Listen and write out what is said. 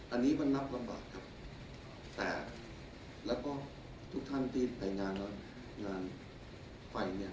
อันนี้ก็นับลำบากครับแต่แล้วก็ทุกท่านที่ไปงานงานไฟเนี่ย